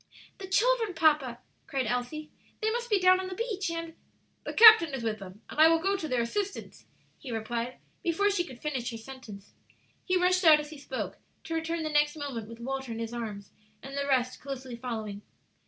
"The children, papa!" cried Elsie; "they must be down on the beach, and " "The captain is with them, and I will go to their assistance," he replied, before she could finish her sentence. He rushed out as he spoke, to return the next moment with Walter in his arms and the rest closely following.